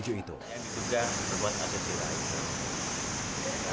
yang diduga berbuat asusila itu